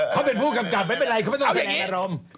เขาเป็นผู้กำกับไม่เป็นไรเขาไม่ต้องแสดงอารมณ์